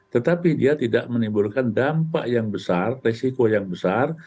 tetapi dia tidak menimbulkan dampak yang besar resiko yang besar